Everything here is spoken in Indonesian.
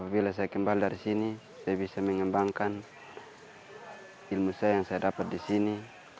bila saya kembali dari sini saya bisa mengembangkan ilmu saya yang saya dapat di sini